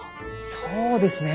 そうですねえ。